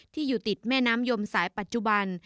ที่อยู่ติดแม่น้ำยมสายปัจจุบัน